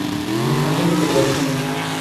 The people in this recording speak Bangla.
তিনি ছাত্রবিক্ষোভে অংশ নেন।